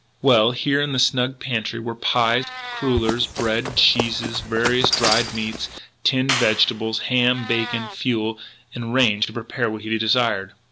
Well, here in the snug pantry were pies, crullers, bread, cheeses, various dried meats, tinned vegetables, ham, bacon, fuel and range to prepare what he desired.